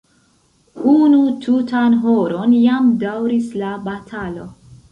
Unu tutan horon jam daŭris la batalo.